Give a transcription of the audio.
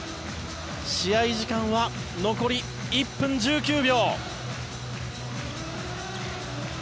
試合時間は残り１分１９秒。